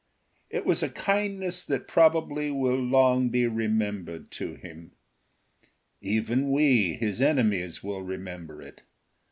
It was a kindness that probably will long be remembered to him. Even we, his enemies, will remember it.